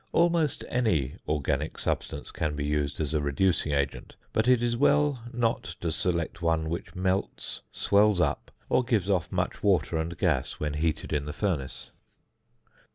Almost any organic substance can be used as a reducing agent, but it is well not to select one which melts, swells up, or gives off much water and gas when heated in the furnace.